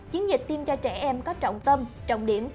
chiến dịch tiêm cho trẻ em có trọng tâm trọng điểm